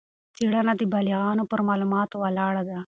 څېړنه د بالغانو پر معلوماتو ولاړه وه.